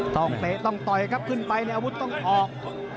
เตะต้องต่อยครับขึ้นไปในอาวุธต้องออก